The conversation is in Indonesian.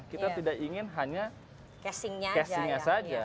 kita tidak ingin hanya casingnya saja